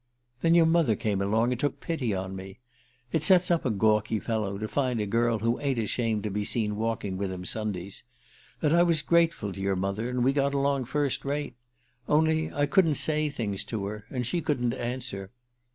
"Then your mother came along and took pity on me. It sets up a gawky fellow to find a girl who ain't ashamed to be seen walking with him Sundays. And I was grateful to your mother, and we got along first rate. Only I couldn't say things to her and she couldn't answer.